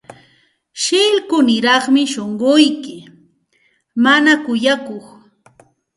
Shillkuniraqmi shunquyki, mana kuyakuq.